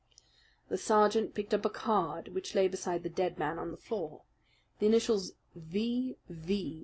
The sergeant picked up a card which lay beside the dead man on the floor. The initials V.V.